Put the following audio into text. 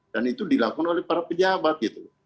dan itu dilakukan oleh para pejabat